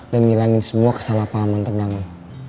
dan ngilangin semua kesalahpahaman terdalam